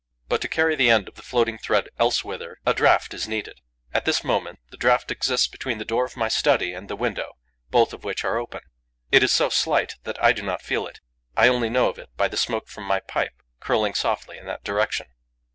But to carry the end of the floating thread elsewhither a draught is needed. At this moment, the draught exists between the door of my study and the window, both of which are open. It is so slight that I do not feel its; I only know of it by the smoke from my pipe, curling softly in that direction.